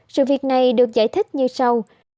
sự việc này được giải thích như sau